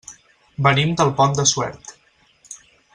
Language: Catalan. Venim del Pont de Suert.